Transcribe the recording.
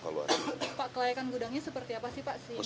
pak kelayakan gudangnya seperti apa sih pak